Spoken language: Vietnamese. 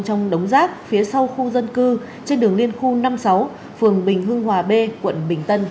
trong đống rác phía sau khu dân cư trên đường liên khu năm mươi sáu phường bình hưng hòa b quận bình tân